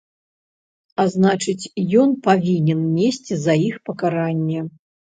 А значыць, ён павінен несці за іх пакаранне.